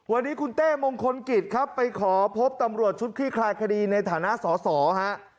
วันนี้คุณเต้มงคลกิจครับไปขอพบตำรวจชุดคลี่คลายคดีในฐานะสอสอฮะ